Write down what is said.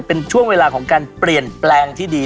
เป็นช่วงเวลาของการเปลี่ยนแปลงที่ดี